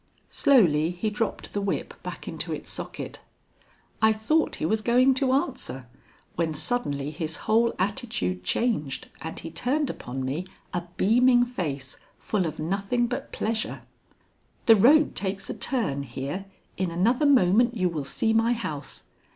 Slowly he dropped the whip back into its socket. I thought he was going to answer, when suddenly his whole attitude changed and he turned upon me a beaming face full of nothing but pleasure. "The road takes a turn here. In another moment you will see my house."